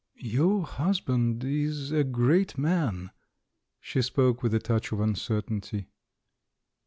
"Your husband is a great man." She spoke with a touch of uncertainty.